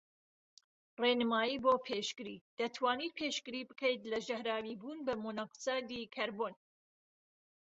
ڕێنمایی بۆ پێشگری:دەتوانیت پێشگری بکەیت لە ژەهراویبوون بە مۆنۆکسایدی کەربۆن